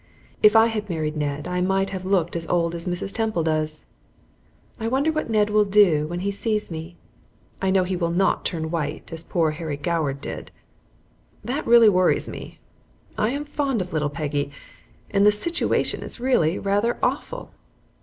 If I had married Ned I might have looked as old as Mrs. Temple does. I wonder what Ned will do when he sees me. I know he will not turn white, as poor Harry Goward did. That really worries me. I am fond of little Peggy, and the situation is really rather awful.